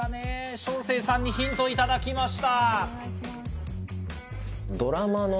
将清さんにヒントをいただきました。